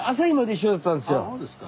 あそうですか。